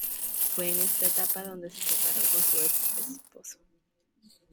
Fue en esta etapa donde se separó con su ex esposo.